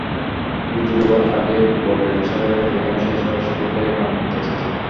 সূর্য ডোবার আগে বটের ছায়া যেখানে শেষ হয়, সেটাই কাঙ্ক্ষিত স্থান।